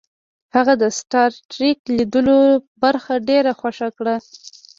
هغه د سټار ټریک لیدلو برخه ډیره خوښه کړه